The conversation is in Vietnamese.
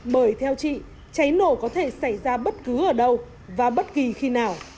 bởi theo chị cháy nổ có thể xảy ra bất cứ ở đâu và bất kỳ khi nào